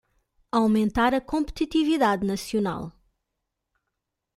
Aumentar a competitividade nacional